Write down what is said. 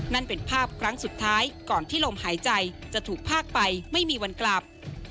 นั่นเป็นภาพครั้งสุดท้ายก่อนที่ลมหายใจจะถูกพากไปไม่มีวันกลับ